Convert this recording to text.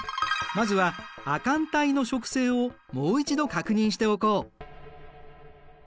まずは亜寒帯の植生をもう一度確認しておこう。